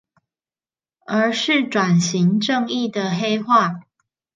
而是轉型正義的黑話